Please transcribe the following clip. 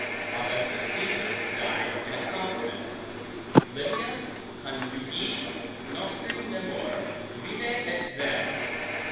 Augustus Caesar died in a compliment; Livia, conjugii nostri memor, vive et vale.